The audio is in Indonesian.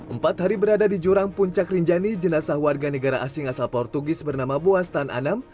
empat hari berada di jurang puncak rinjani jenazah warga negara asing asal portugis bernama buastan anam